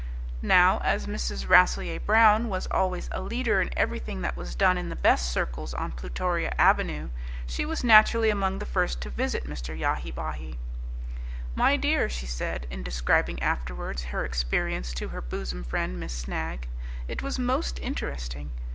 Now as Mrs. Rasselyer Brown was always a leader in everything that was done in the best circles on Plutoria Avenue, she was naturally among the first to visit Mr. Yahi Bahi. "My dear," she said, in describing afterwards her experience to her bosom friend, Miss Snagg, "it was most interesting.